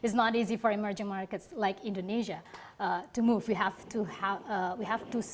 banyak pergerakan tentang pergerakan